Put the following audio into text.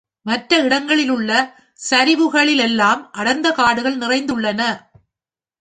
மற்ற இடங்களில் உள்ள சரிவுகளிலெல்லாம், அடர்ந்தகாடுகள் நிறைந்துள்ளன.